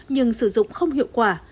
nhưng sử dụng không hiệu quả